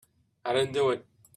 I didn't do it.